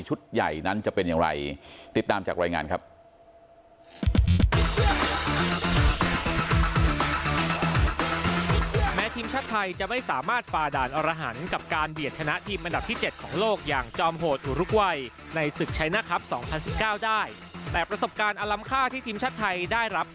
ใหญ่นั้นจะเป็นอย่างไรติดตามจากรายงานครับ